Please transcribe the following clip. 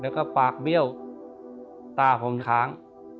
แล้วก็ปากเบี้ยวตาผมค้าง